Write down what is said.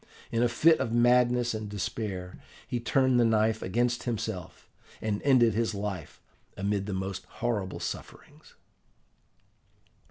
In a fit of madness and despair he turned the knife against himself, and ended his life amid the most horrible sufferings.